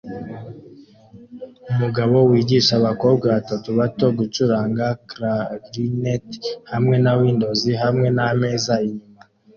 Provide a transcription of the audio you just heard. Umugabo wigisha abakobwa batatu bato gucuranga Clarinet hamwe na windows hamwe nameza inyuma